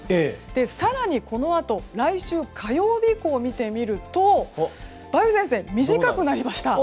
更に、このあと来週火曜日以降を見てみると梅雨前線、短くなりました。